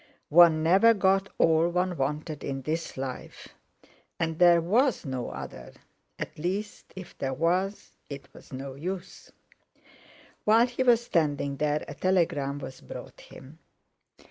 One never got all one wanted in this life! And there was no other—at least, if there was, it was no use! While he was standing there, a telegram was brought him.